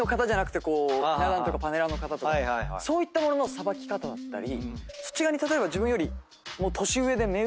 そういったもののさばき方だったり。